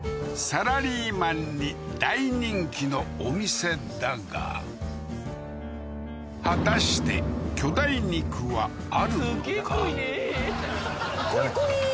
サラリーマンに大人気のお店だが果たして濃い濃いー！